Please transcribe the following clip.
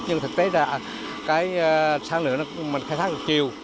nhưng thực tế ra sản lượng mình khai thác được chiều